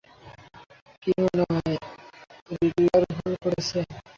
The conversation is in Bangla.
কী মনে হয়, রিডলার ভুল করেছে?